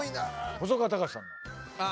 細川たかしさん。